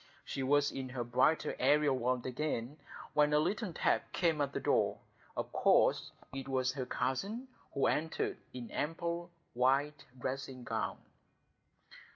She was in her brighter aerial world again, when a little tap came at the door; of course it was her cousin, who entered in ample white dressing gown.